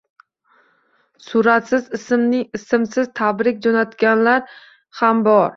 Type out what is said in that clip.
Suratsiz, ismsiz tabrik joʻnatganlar ham bor.